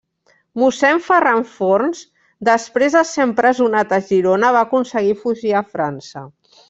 Mossèn Ferran Forns, després de ser empresonat a Girona, va aconseguir fugir a França.